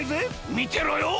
みてろよ！